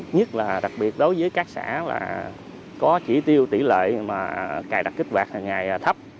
nhất là đặc biệt đối với các xã là có chỉ tiêu tỷ lệ mà cài đặt kích hoạt ngày thấp